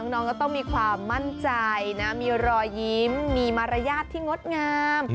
น้องก็ต้องมีความมั่นใจนะมีรอยยิ้มมีมารยาทที่งดงาม